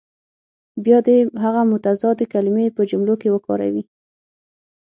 بیا دې هغه متضادې کلمې په جملو کې وکاروي.